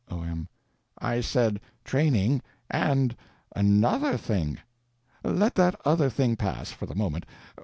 O.M. I said training and _another _thing. Let that other thing pass, for the moment.